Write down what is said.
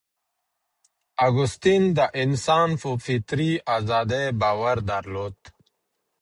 اګوستین د انسان په فطري ازادۍ باور درلود.